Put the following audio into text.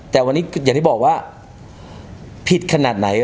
แต่วันนี้อย่างที่บอกว่าผิดขนาดไหน